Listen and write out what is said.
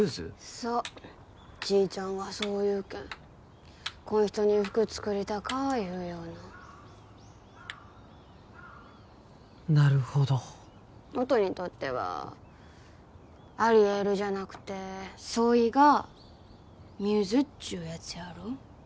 そうちーちゃんがそう言うけんこん人に服作りたかいうようななるほど音にとってはアリエルじゃなくてソイがミューズっちゅうやつやろ？